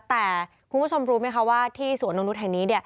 แต่คุณผู้ชมรู้ไหมคะว่าที่สวนนกนุษย์แห่งนี้